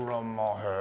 へえ。